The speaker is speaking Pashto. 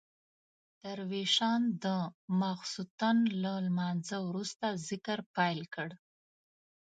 درویشان د ماخستن له لمانځه وروسته ذکر پیل کړ.